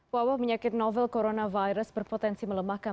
wabah penyakit novel coronavirus berpotensi melemahkan